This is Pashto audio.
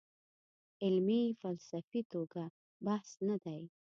علمي فلسفي توګه بحث نه دی.